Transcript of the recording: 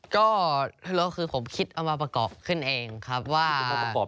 ก็ทะเลาะคือผมคิดเอามาประกอบขึ้นเองครับว่า